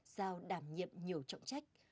giao đảm nhiệm nhiều trọng trách